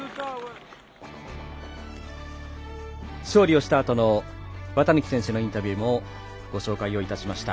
勝利をしたあとの綿貫選手のインタビューもご紹介をいたしました。